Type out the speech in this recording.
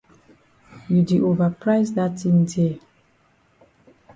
You di ova price dat tin dear.